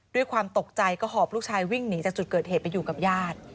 ด้วยความตกใจก็หอบลูกชายวิ่งหนีจากจุดเกิดเหตุไปอยู่กับญาติ